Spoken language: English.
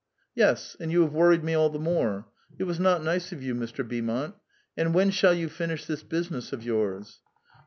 " Yes, and you have worried me all the more. It was not nice of you, Mr. Beaumont. And when shall you finish this business of voiirs